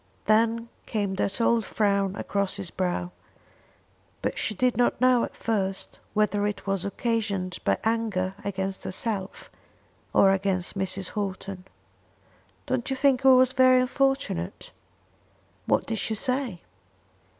Then came that old frown across his brow; but she did not know at first whether it was occasioned by anger against herself or against Mrs. Houghton. "Don't you think it was very unfortunate?" "What did she say?"